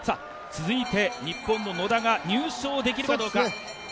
続いて、日本の野田が入賞できるかどうか。